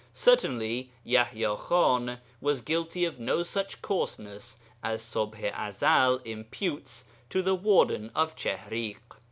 Certainly Yaḥya Khan was guilty of no such coarseness as Ṣubḥ i Ezel imputes to the warden of Chihriḳ.